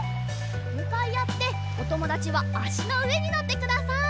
むかいあっておともだちはあしのうえにのってください。